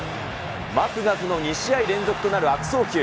マクガフの２試合連続となる悪送球。